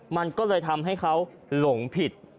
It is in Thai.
มันก็เลยทำให้เขาหลงผิด